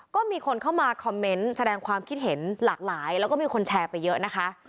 ก็มีคนเข้ามาคอมเมนต์แสดงความคิดเห็นหลากหลายแล้วก็มีคนแชร์ไปเยอะนะคะ